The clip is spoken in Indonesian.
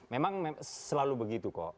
memang selalu begitu kok